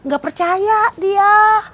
gak percaya dia